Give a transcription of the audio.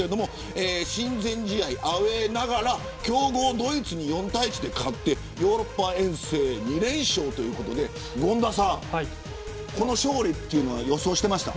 親善試合、アウェーながら強豪ドイツに４対１で勝ってヨーロッパ遠征２連勝ということで権田さん、この勝利というのは予想してました。